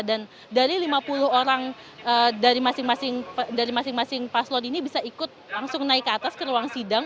dan dari lima puluh orang dari masing masing paslon ini bisa ikut langsung naik ke atas ke ruang sidang